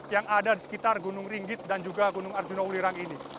yang ada di sekitar gunung ringgit dan juga gunung arjuna ulirang ini